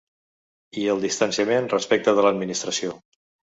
I el distanciament respecte de l’administració.